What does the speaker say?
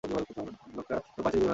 এই লোকটা ওখানে পায়চারি করে বেড়াচ্ছিল।